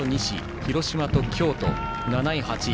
広島と京都が７位、８位。